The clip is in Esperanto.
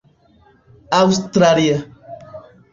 aŭstralia